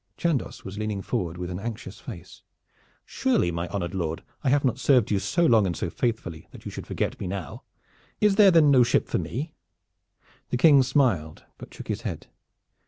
Chandos was leaning forward, with an anxious face. "Surely, my honored lord, I have not served you so long and so faithfully that you should forget me now. Is there then no ship for me?" The King smiled, but shook his head.